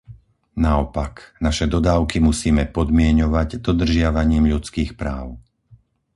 Naopak, naše dodávky musíme podmieňovať dodržiavaním ľudských práv.